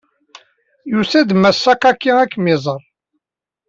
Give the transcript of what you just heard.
Yusa-d Mass Sakaki ad kem-iẓeṛ.